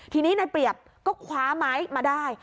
ทีนี้นายเปรียบก็คว้าไม้มาได้